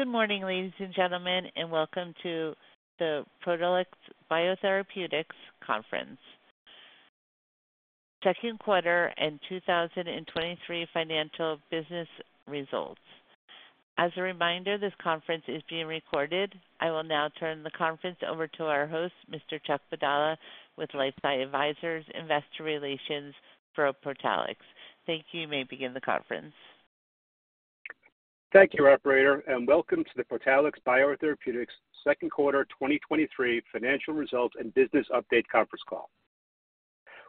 Good morning, ladies and gentlemen, welcome to the Protalix BioTherapeutics conference, second quarter and 2023 financial business results. As a reminder, this conference is being recorded. I will now turn the conference over to our host, Mr. Chuck Padala, with LifeSci Advisors, Investor Relations for Protalix. Thank you. You may begin the conference. Thank you, Operator. Welcome to the Protalix BioTherapeutics second quarter 2023 financial results and business update conference call.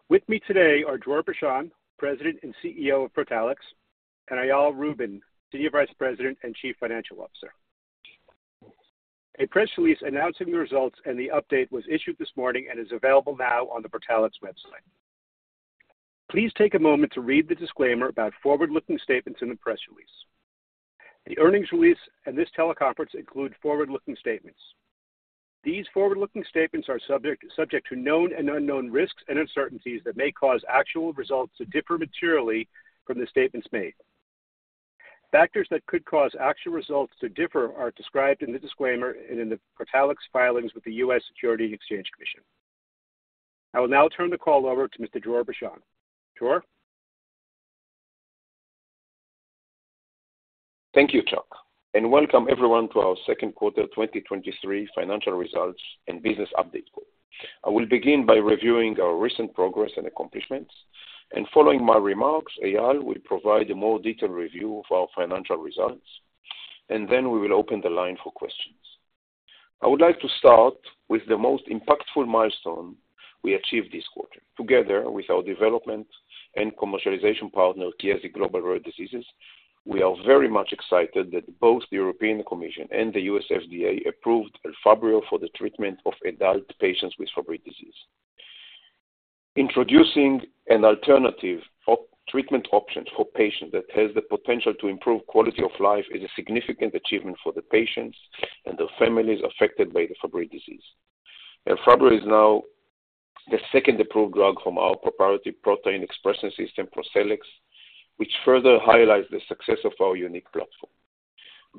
With me today are Dror Bashan, President and CEO of Protalix, and Eyal Rubin, Senior Vice President and Chief Financial Officer. A press release announcing the results and the update was issued this morning and is available now on the Protalix website. Please take a moment to read the disclaimer about forward-looking statements in the press release. The earnings release and this teleconference include forward-looking statements. These forward-looking statements are subject to known and unknown risks and uncertainties that may cause actual results to differ materially from the statements made. Factors that could cause actual results to differ are described in the disclaimer and in the Protalix filings with the U.S. Securities and Exchange Commission. I will now turn the call over to Mr. Dror Bashan. Dror? Thank you, Chuck, and welcome everyone to our second quarter 2023 financial results and business update call. I will begin by reviewing our recent progress and accomplishments, and following my remarks, Eyal will provide a more detailed review of our financial results, and then we will open the line for questions. I would like to start with the most impactful milestone we achieved this quarter. Together with our development and commercialization partner, Chiesi Global Rare Diseases, we are very much excited that both the European Commission and the U.S. FDA approved Elfabrio for the treatment of adult patients with Fabry disease. Introducing an alternative treatment option for patients that has the potential to improve quality of life is a significant achievement for the patients and their families affected by the Fabry disease. Elfabrio is now the second approved drug from our proprietary protein expression system, ProCellEx, which further highlights the success of our unique platform.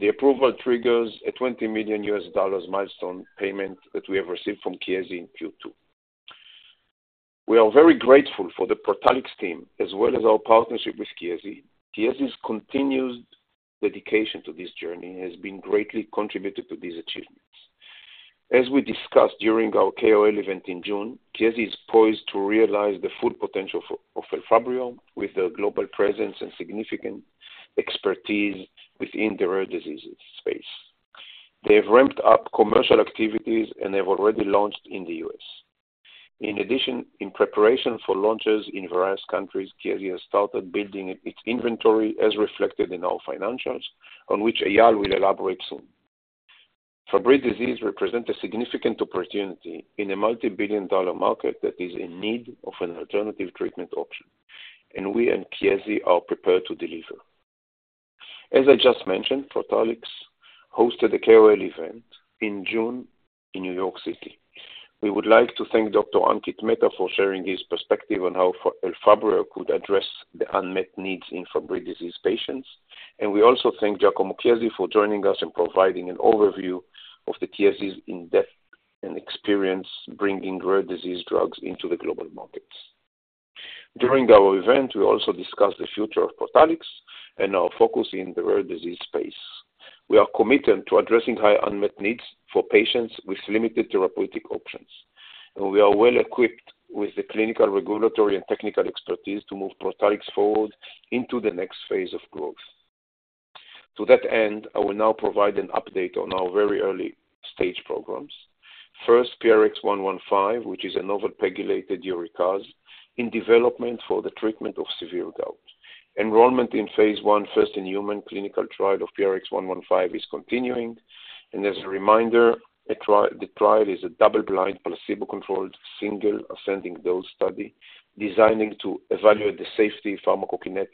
The approval triggers a $20 million milestone payment that we have received from Chiesi in Q2. We are very grateful for the Protalix team, as well as our partnership with Chiesi. Chiesi's continued dedication to this journey has been greatly contributed to these achievements. As we discussed during our KOL event in June, Chiesi is poised to realize the full potential of Elfabrio with the global presence and significant expertise within the rare diseases space. They've ramped up commercial activities, and they've already launched in the U.S. In addition, in preparation for launches in various countries, Chiesi has started building its inventory, as reflected in our financials, on which Eyal will elaborate soon. Fabry disease represent a significant opportunity in a multi-billion dollar market that is in need of an alternative treatment option. We and Chiesi are prepared to deliver. As I just mentioned, Protalix hosted a KOL event in June in New York City. We would like to thank Dr. Ankit Mehta for sharing his perspective on how Elfabrio could address the unmet needs in Fabry disease patients. We also thank Giacomo Chiesi for joining us and providing an overview of the Chiesi's in-depth and experience bringing rare disease drugs into the global markets. During our event, we also discussed the future of Protalix and our focus in the rare disease space. We are committed to addressing high unmet needs for patients with limited therapeutic options, and we are well-equipped with the clinical, regulatory, and technical expertise to move Protalix forward into the next phase of growth. To that end, I will now provide an update on our very early-stage programs. First, PRX-115, which is a novel PEGylated uricase in development for the treatment of severe gout. Enrollment in phase I, first in human clinical trial of PRX-115 is continuing, and as a reminder, the trial is a double-blind, placebo-controlled, single ascending dose study designing to evaluate the safety, pharmacokinetics,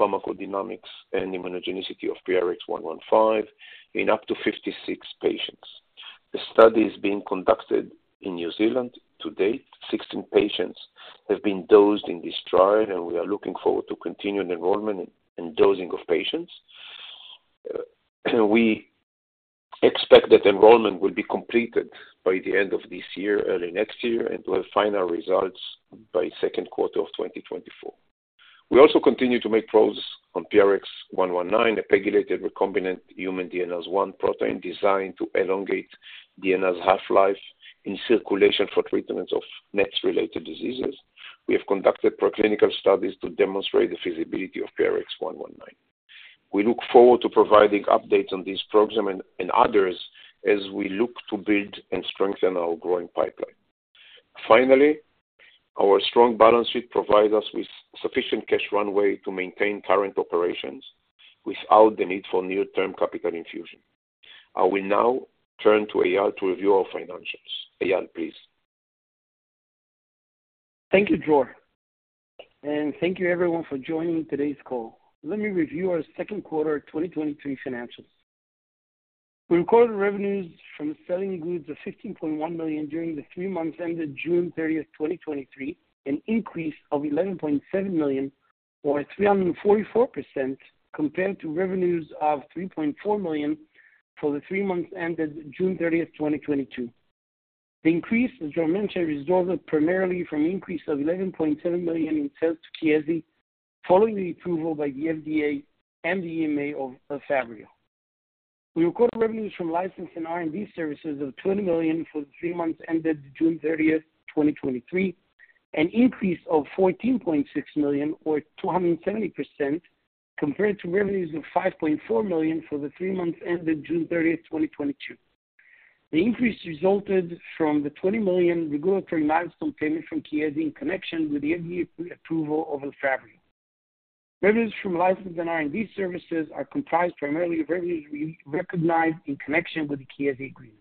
pharmacodynamics, and immunogenicity of PRX-115 in up to 56 patients. The study is being conducted in New Zealand. To date, 16 patients have been dosed in this trial, and we are looking forward to continuing enrollment and dosing of patients. We expect that enrollment will be completed by the end of this year, early next year, and we'll have final results by second quarter of 2024. We also continue to make progress on PRX-119, a PEGylated recombinant human DNase I protein designed to elongate DNA's half-life in circulation for treatments of NETs-related diseases. We have conducted preclinical studies to demonstrate the feasibility of PRX-119. We look forward to providing updates on this program and others as we look to build and strengthen our growing pipeline. Finally, our strong balance sheet provides us with sufficient cash runway to maintain current operations without the need for new term capital infusion. I will now turn to Eyal to review our financials. Eyal, please. Thank you, Dror, thank you, everyone, for joining today's call. Let me review our second quarter 2023 financials. We recorded revenues from selling goods of $15.1 million during the three months ended June 30th, 2023, an increase of $11.7 million or 344% compared to revenues of $3.4 million for the three months ended June 30th, 2022. The increase was dramatically resulted primarily from increase of $11.7 million in sales to Chiesi, following the approval by the FDA and the EMA of Elfabrio. We recorded revenues from license and R&D services of $20 million for the three months ended June 30th, 2023, an increase of $14.6 million or 270% compared to revenues of $5.4 million for the three months ended June 30th, 2022. The increase resulted from the $20 million regulatory milestone payment from Chiesi in connection with the FDA approval of Elfabrio. Revenues from license and R&D services are comprised primarily of revenues recognized in connection with the Chiesi agreement.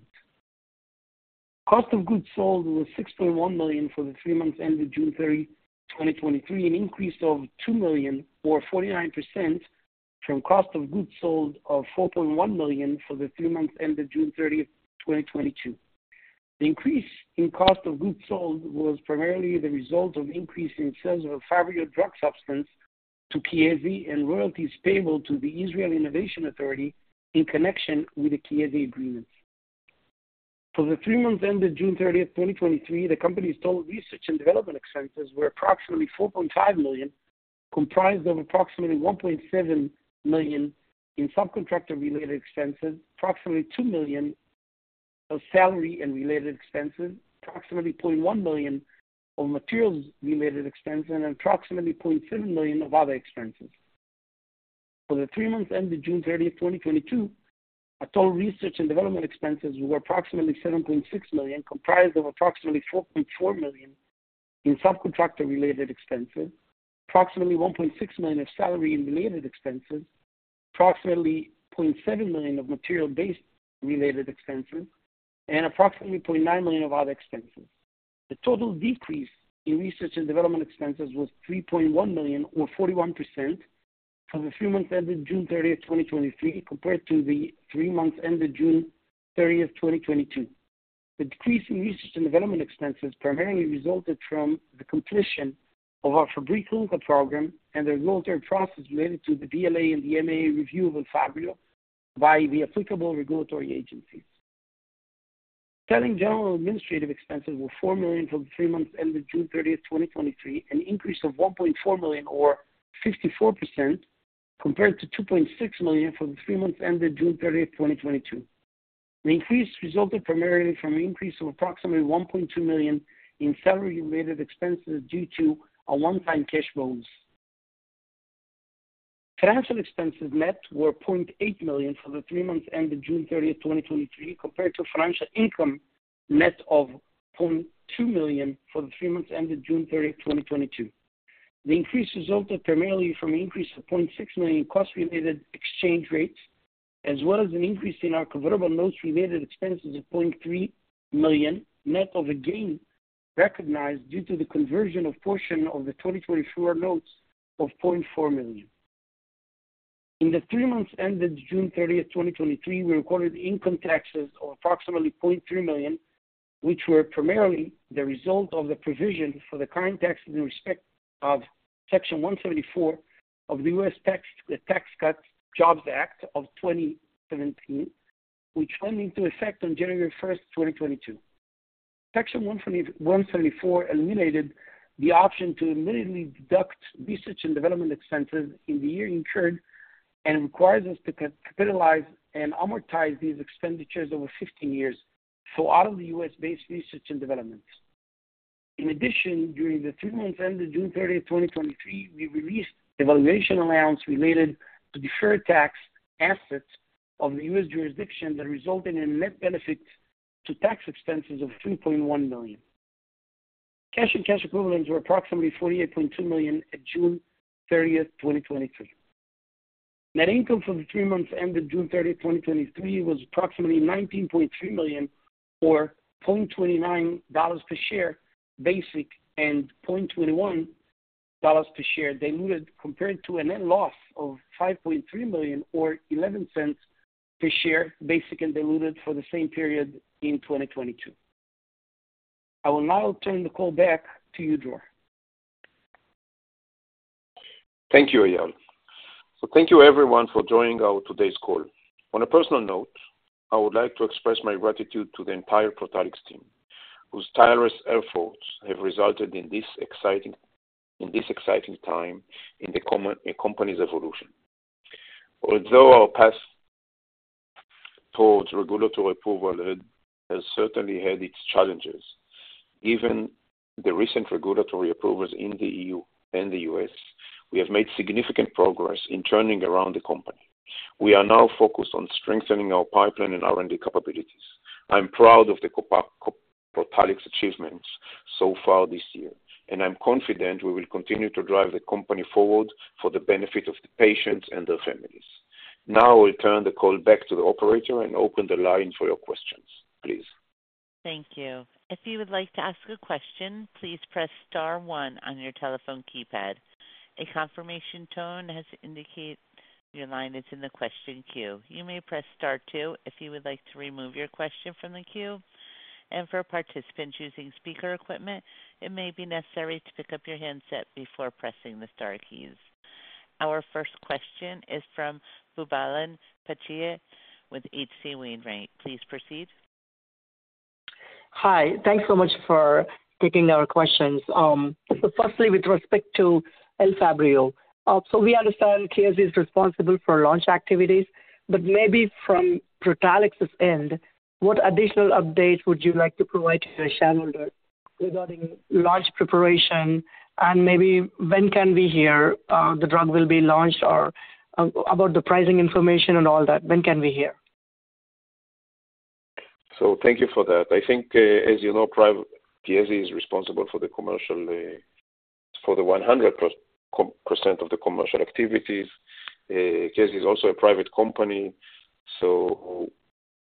Cost of goods sold was $6.1 million for the three months ended June 30th, 2023, an increase of $2 million or 49% from cost of goods sold of $4.1 million for the three months ended June 30th, 2022. The increase in cost of goods sold was primarily the result of increase in sales of Elfabrio drug substance to Chiesi and royalties payable to the Israel Innovation Authority in connection with the Chiesi agreement. For the three months ended June 30th, 2023, the company's total research and development expenses were approximately $4.5 million, comprised of approximately $1.7 million in subcontractor-related expenses, approximately $2 million of salary and related expenses, approximately $0.1 million of materials-related expenses, and approximately $0.7 million of other expenses. For the three months ended June 30th, 2022, our total research and development expenses were approximately $7.6 million, comprised of approximately $4.4 million in subcontractor-related expenses, approximately $1.6 million of salary and related expenses, approximately $0.7 million of material-based related expenses, and approximately $0.9 million of other expenses. The total decrease in research and development expenses was $3.1 million or 41% for the three months ended June 30th, 2023, compared to the three months ended June 30th, 2022. The decrease in research and development expenses primarily resulted from the completion of our Fabry clinical program and the regulatory process related to the BLA and the EMA review of Elfabrio by the applicable regulatory agencies. Selling, general, and administrative expenses were $4 million for the three months ended June 30th, 2023, an increase of $1.4 million or 54% compared to $2.6 million for the three months ended June 30th, 2022. The increase resulted primarily from an increase of approximately $1.2 million in salary-related expenses due to a one-time cash bonus. Financial expenses net were $0.8 million for the three months ended June 30th, 2023, compared to financial income net of $0.2 million for the three months ended June 30th, 2022. The increase resulted primarily from an increase of $0.6 million in cost-related exchange rates, as well as an increase in our convertible notes-related expenses of $0.3 million, net of a gain recognized due to the conversion of portion of the 2024 Notes of $0.4 million. In the three months ended June 30th, 2023, we recorded income taxes of approximately $0.3 million, which were primarily the result of the provision for the current tax in respect of Section 174 of the U.S. Tax, the Tax Cuts and Jobs Act of 2017, which went into effect on January 1st, 2022. Section 174 eliminated the option to immediately deduct research and development expenses in the year incurred and requires us to capitalize and amortize these expenditures over 15 years for all of the U.S.-based research and developments. In addition, during the three months ended June 30th, 2023, we released valuation allowance related to deferred tax assets of the U.S. jurisdiction that resulted in net benefits to tax expenses of $3.1 million. Cash and cash equivalents were approximately $48.2 million at June 30th, 2023. Net income for the three months ended June 30th, 2023, was approximately $19.3 million or $0.29 per share basic and $0.21 per share diluted, compared to a net loss of $5.3 million or $0.11 per share, basic and diluted for the same period in 2022. I will now turn the call back to you, Dror. Thank you, Eyal. Thank you, everyone, for joining our today's call. On a personal note, I would like to express my gratitude to the entire Protalix team, whose tireless efforts have resulted in this exciting, in this exciting time in the company's evolution. Although our path towards regulatory approval has, has certainly had its challenges, given the recent regulatory approvals in the EU and the U.S., we have made significant progress in turning around the company. We are now focused on strengthening our pipeline and R&D capabilities. I'm proud of the Protalix achievements so far this year, and I'm confident we will continue to drive the company forward for the benefit of the patients and their families. Now I will turn the call back to the operator and open the line for your questions, please. Thank you. If you would like to ask a question, please press star one on your telephone keypad. A confirmation tone has to indicate your line is in the question queue. You may press star two if you would like to remove your question from the queue. For participants using speaker equipment, it may be necessary to pick up your handset before pressing the star keys. Our first question is from Boobalan Pachaiyappan with H.C. Wainwright. Please proceed. Hi. Thanks so much for taking our questions. Firstly, with respect to Elfabrio, we understand Chiesi is responsible for launch activities, but maybe from Protalix's end, what additional updates would you like to provide to your shareholder regarding launch preparation, and maybe when can we hear the drug will be launched, or about the pricing information and all that? When can we hear? Thank you for that. I think, as you know, private Chiesi is responsible for the commercial, for the 100% of the commercial activities. Chiesi is also a private company, so,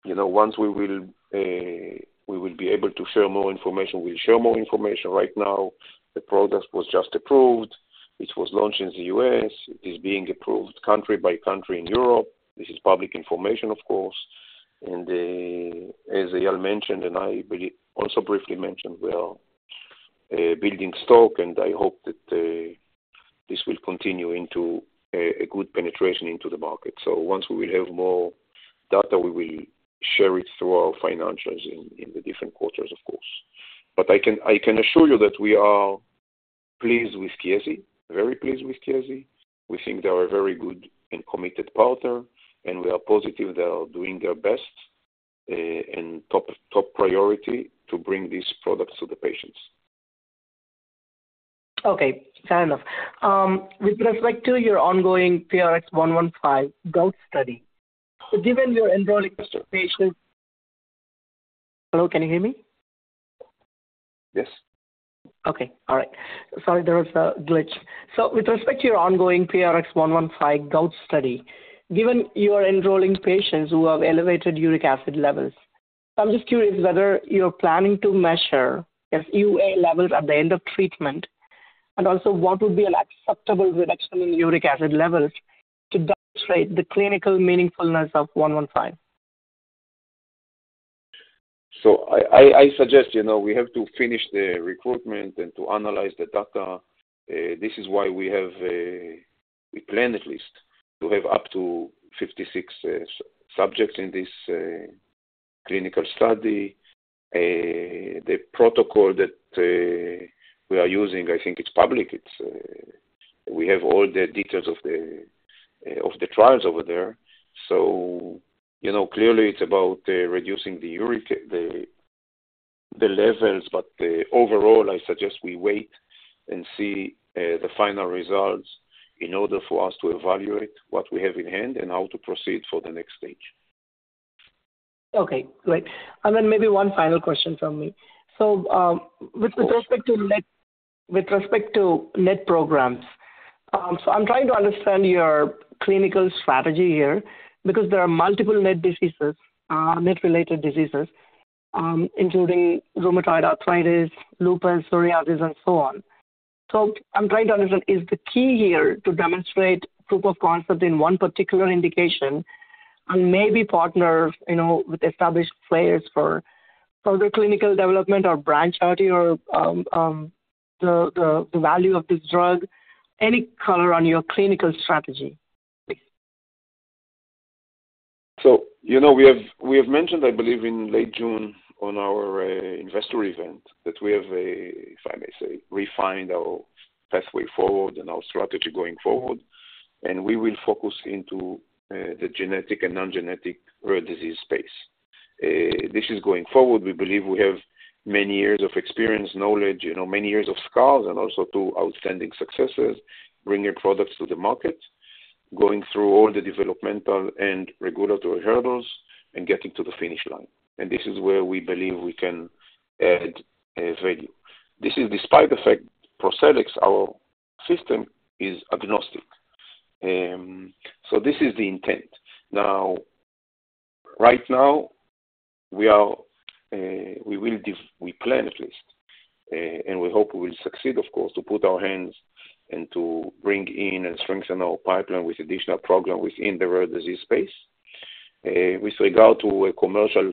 you know, once we will, we will be able to share more information, we'll share more information. Right now, the product was just approved. It was launched in the U.S. It is being approved country by country in Europe. This is public information, of course. As Eyal mentioned, and I believe also briefly mentioned, we are building stock, and I hope that this will continue into a good penetration into the market. Once we will have more data, we will share it through our financials in, in the different quarters, of course. I can, I can assure you that we are pleased with Chiesi, very pleased with Chiesi. We think they are a very good and committed partner, and we are positive they are doing their best, and top, top priority to bring these products to the patients. Okay, fair enough. With respect to your ongoing PRX-115 gout study, given you're enrolling patients... Hello, can you hear me? Yes. Okay. All right. Sorry, there was a glitch. With respect to your ongoing PRX-115 gout study, given you are enrolling patients who have elevated uric acid levels, I'm just curious whether you're planning to measure their UA levels at the end of treatment, and also, what would be an acceptable reduction in uric acid levels to demonstrate the clinical meaningfulness of 115? I, I, I suggest, you know, we have to finish the recruitment and to analyze the data. This is why we have, we plan at least to have up to 56 subjects in this clinical study. The protocol that we are using, I think it's public. It's, we have all the details of the, of the trials over there. You know, clearly it's about reducing the uric, the, the levels, but overall, I suggest we wait and see the final results in order for us to evaluate what we have in hand and how to proceed for the next stage. Okay, great. Then maybe one final question from me. Of course. With respect to NET, with respect to NET programs, I'm trying to understand your clinical strategy here because there are multiple NET diseases, NET-related diseases, including rheumatoid arthritis, lupus, psoriasis, and so on. I'm trying to understand, is the key here to demonstrate proof of concept in one particular indication and maybe partner, you know, with established players for further clinical development or branch out your, the, the, the value of this drug? Any color on your clinical strategy, please? You know, we have, we have mentioned, I believe, in late June on our investor event, that we have, if I may say, refined our pathway forward and our strategy going forward, and we will focus into the genetic and non-genetic rare disease space. This is going forward. We believe we have many years of experience, knowledge, you know, many years of scars and also two outstanding successes, bringing products to the market, going through all the developmental and regulatory hurdles and getting to the finish line. This is where we believe we can add value. This is despite the fact, Protalix, our system, is agnostic. This is the intent. Right now, we are, we plan at least, and we hope we will succeed, of course, to put our hands and to bring in and strengthen our pipeline with additional program within the rare disease space. With regard to a commercial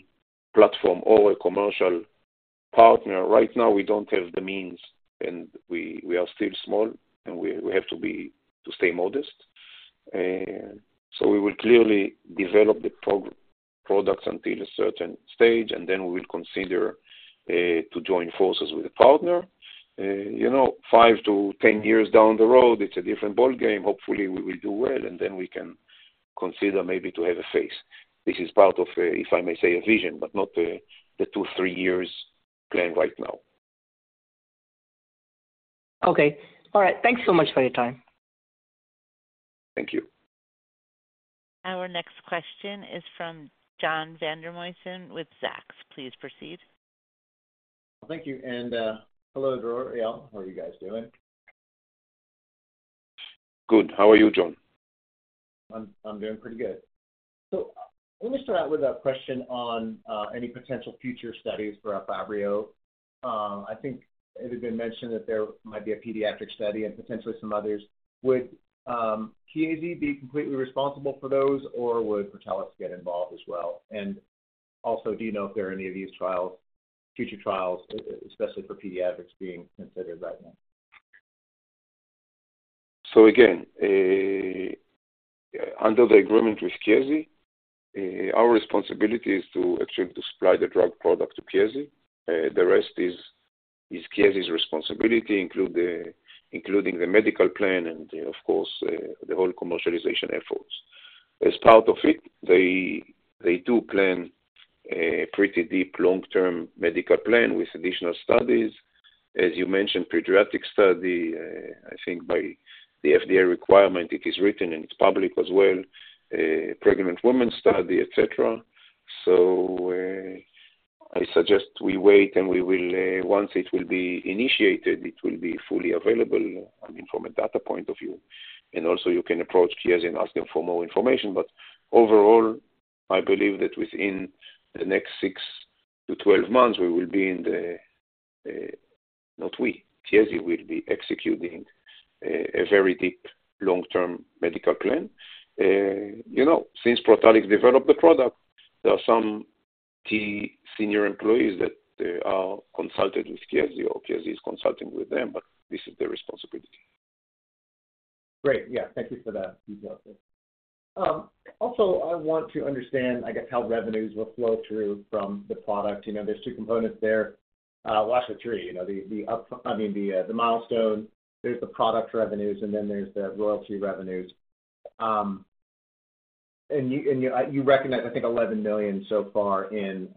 platform or a commercial partner, right now, we don't have the means, and we, we are still small, and we, we have to be, to stay modest. We will clearly develop the products until a certain stage, and then we will consider to join forces with a partner. You know, five to 10 years down the road, it's a different ballgame. Hopefully, we will do well, and then we can consider maybe to have a phase. This is part of a, if I may say, a vision, but not the two, three years plan right now. Okay. All right. Thanks so much for your time. Thank you. Our next question is from John Vandermosten with Zacks. Please proceed. Thank you. Hello, Dror, Eyal. How are you guys doing? Good. How are you, John? I'm, I'm doing pretty good. Let me start out with a question on any potential future studies for Elfabrio. I think it had been mentioned that there might be a pediatric study and potentially some others. Would Chiesi be completely responsible for those, or would Protalix get involved as well? Also, do you know if there are any of these trials, future trials, especially for pediatrics, being considered right now? Again, under the agreement with Chiesi, our responsibility is to actually to supply the drug product to Chiesi. The rest is, is Chiesi's responsibility, including the medical plan and, of course, the whole commercialization efforts. As part of it, they, they do plan a pretty deep, long-term medical plan with additional studies. As you mentioned, pediatric study, I think by the FDA requirement, it is written, and it's public as well, pregnant women study, et cetera. I suggest we wait, and we will, once it will be initiated, it will be fully available, I mean, from a data point of view. Also, you can approach Chiesi and ask them for more information. Overall, I believe that within the next six to 12 months, not we, Chiesi will be executing a very deep, long-term medical plan. You know, since Protalix developed the product, there are some key senior employees that consulted with Chiesi, or Chiesi is consulting with them, but this is their responsibility. Great. Yeah, thank you for that detail. Also, I want to understand, I guess, how revenues will flow through from the product. You know, there's two components there. Well, actually, three, you know, the, the up- I mean, the, the milestone, there's the product revenues, and then there's the royalty revenues. And you, and you, you recognize, I think, $11 million so far in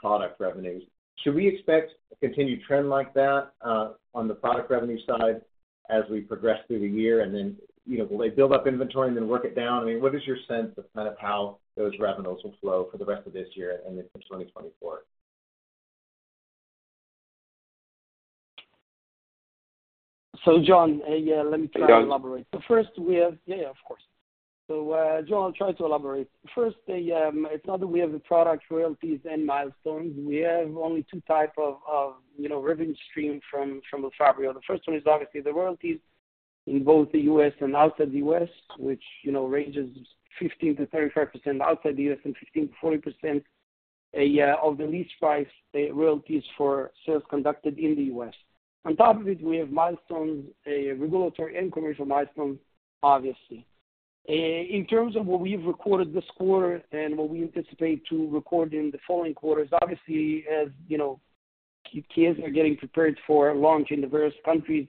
product revenues. Should we expect a continued trend like that on the product revenue side as we progress through the year? Then, you know, will they build up inventory and then work it down? I mean, what is your sense of kind of how those revenues will flow for the rest of this year and into 2024? John, yeah, let me try to elaborate. Go ahead. First, we have... Yeah, of course. John, I'll try to elaborate. First, it's not that we have the product royalties and milestones. We have only two type of, you know, revenue stream from Elfabrio. The first one is obviously the royalties in both the U.S. and outside the U.S., which, you know, ranges 15%-35% outside the U.S., and 15%-40% of the list price royalties for sales conducted in the U.S. On top of it, we have milestones, regulatory and commercial milestones, obviously. In terms of what we've recorded this quarter and what we anticipate to record in the following quarters, obviously, as you know, Chiesi are getting prepared for launch in the various countries,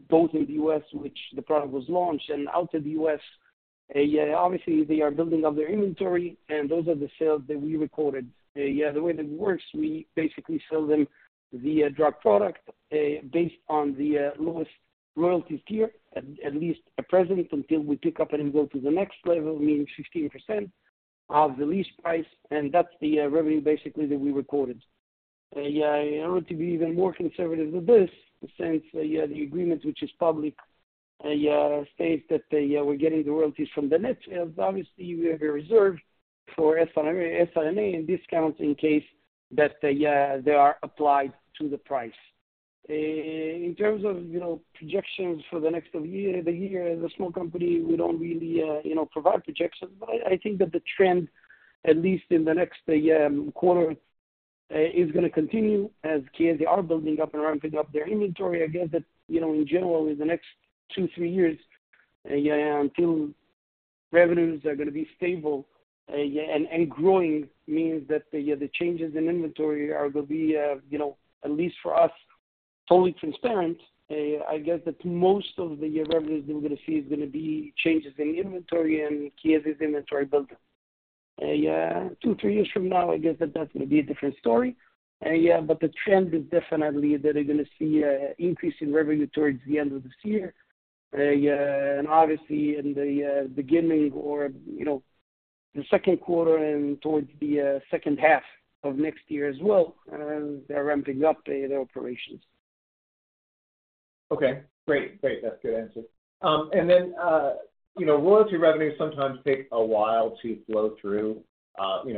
both in the U.S., which the product was launched, and outside the U.S. Obviously, they are building up their inventory, and those are the sales that we recorded. The way that it works, we basically sell them the drug product, based on the lowest royalty tier, at, at least at present, until we tick up and go to the next level, meaning 15% of the list price, and that's the revenue basically that we recorded. In order to be even more conservative than this, since the agreement, which is public, states that we're getting the royalties from the net. Obviously, we have a reserve for SR&A and discounts in case that they are applied to the price. In terms of, you know, projections for the next year, the year, as a small company, we don't really, you know, provide projections. I, I think that the trend, at least in the next quarter, is going to continue as Chiesi are building up and ramping up their inventory. I guess that, you know, in general, in the next two, three years, until revenues are going to be stable, and growing means that the, the changes in inventory are going to be, you know, at least for us, fully transparent. I guess that most of the revenues that we're going to see is going to be changes in inventory and Chiesi's inventory build-up. two, three years from now, I guess that that's going to be a different story. The trend is definitely that they're going to see a increase in revenue towards the end of this year. Yeah, obviously in the beginning or, you know, the second quarter and towards the second half of next year as well, they're ramping up the operations. Okay, great. Great. That's a good answer. Then, you know, royalty revenues sometimes take a while to flow through.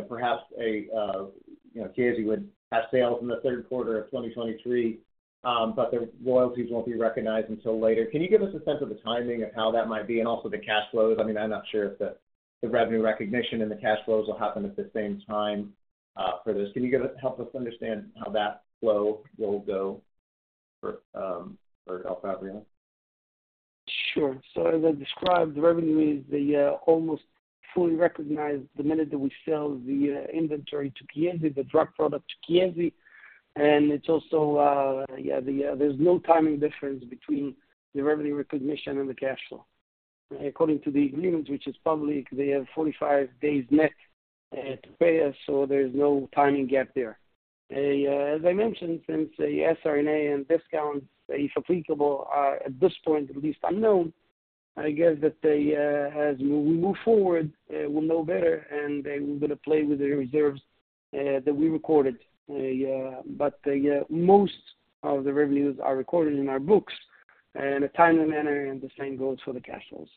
Perhaps, you know, Chiesi would have sales in the third quarter of 2023, but their royalties won't be recognized until later. Can you give us a sense of the timing of how that might be and also the cash flows? I mean, I'm not sure if the revenue recognition and the cash flows will happen at the same time for this. Can you help us understand how that flow will go for Elfabrio? Sure. As I described, the revenue is the almost fully recognized the minute that we sell the inventory to Chiesi, the drug product to Chiesi. It's also, Yeah, there's no timing difference between the revenue recognition and the cash flow. According to the agreement, which is public, they have 45 days net to pay us, so there's no timing gap there. As I mentioned, since the SR&A and discounts, if applicable, are at this point, at least unknown, I guess that they, as we move forward, we'll know better, and then we're going to play with the reserves that we recorded. Yeah, most of the revenues are recorded in our books in a timely manner, and the same goes for the cash flows.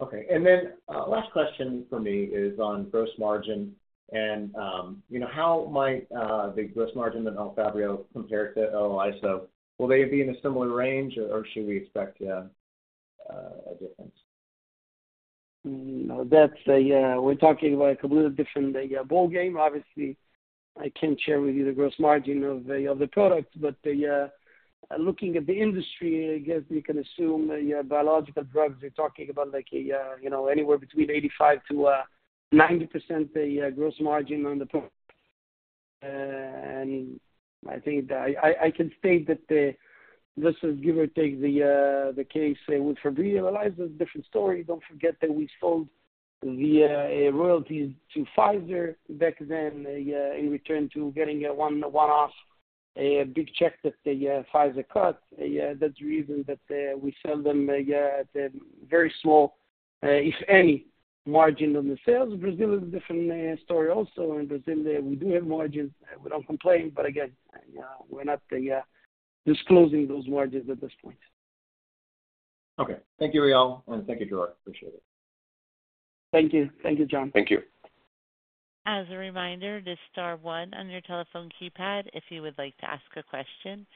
Okay, and then, last question for me is on gross margin. You know, how might the gross margin in Elfabrio compare to Elelyso? Will they be in a similar range, or should we expect a difference? That's a, we're talking about a completely different ballgame. Obviously, I can't share with you the gross margin of the, of the product, but the, looking at the industry, I guess we can assume the biological drugs, we're talking about like a, you know, anywhere between 85%-90%, the, gross margin on the product. And I think that I, I can state that the, this is give or take, the, the case with Fabry Elelyso, different story. Don't forget that we sold the, royalties to Pfizer back then, in return to getting a one, one-off, a big check that the, Pfizer cut. That's the reason that, we sell them a, very small, if any, margin on the sales. Brazil is a different story also. In Brazil, we do have margins. We don't complain, but again, we're not disclosing those margins at this point. Okay. Thank you, Eyal, and thank you, Dror. Appreciate it. Thank you. Thank you, John. Thank you. As a reminder, just star one on your telephone keypad if you would like to ask a question.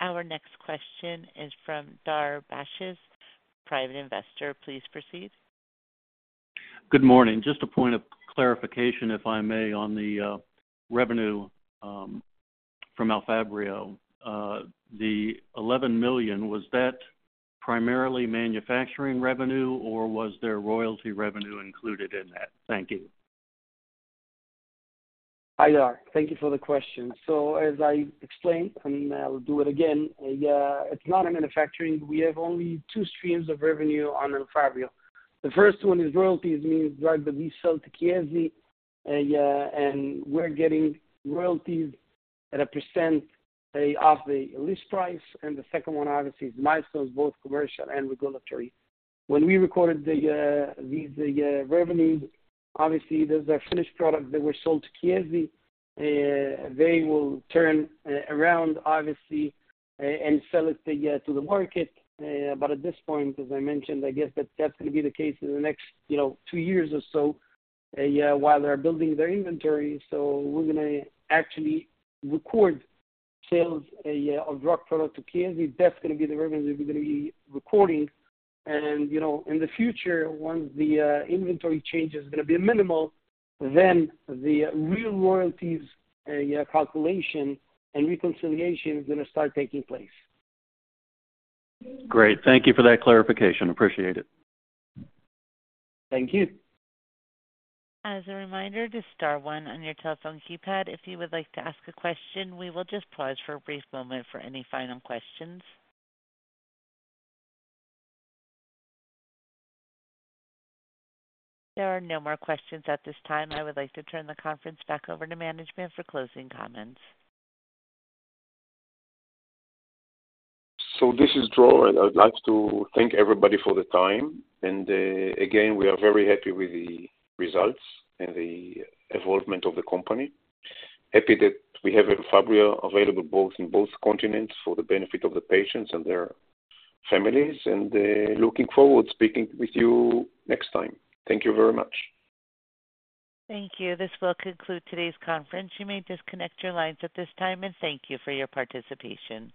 Our next question is from Dhar Barshes, private investor. Please proceed. Good morning. Just a point of clarification, if I may, on the revenue from Elfabrio. The $11 million, was that primarily manufacturing revenue, or was there royalty revenue included in that? Thank you. Hi, Dhar. Thank you for the question. As I explained, and I'll do it again, it's not a manufacturing. We have only two streams of revenue on Elfabrio. The first one is royalties, means drug that we sell to Chiesi, yeah, and we're getting royalties at a % of the list price. The second one, obviously, is milestones, both commercial and regulatory. When we recorded the revenue, obviously, there's a finished product that were sold to Chiesi. They will turn around, obviously, and sell it to the market. But at this point, as I mentioned, I guess that that's going to be the case for the next, you know, two years or so, while they're building their inventory. We're going to actually record sales of drug product to Chiesi. That's going to be the revenue that we're going to be recording. You know, in the future, once the inventory change is going to be minimal, then the real royalties calculation and reconciliation is going to start taking place. Great. Thank you for that clarification. Appreciate it. Thank you. As a reminder, just star one on your telephone keypad if you would like to ask a question. We will just pause for a brief moment for any final questions. There are no more questions at this time. I would like to turn the conference back over to management for closing comments. This is Dror, and I'd like to thank everybody for the time. Again, we are very happy with the results and the evolvement of the company. Happy that we have Elfabrio available both, in both continents for the benefit of the patients and their families, and looking forward to speaking with you next time. Thank you very much. Thank you. This will conclude today's conference. You may disconnect your lines at this time, and thank you for your participation.